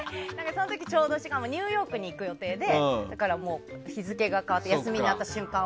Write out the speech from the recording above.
その時ちょうどニューヨークに行く予定で日付が変わって休みになった瞬間